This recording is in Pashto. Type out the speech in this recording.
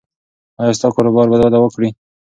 ایا ستا کاروبار به وده وکړي؟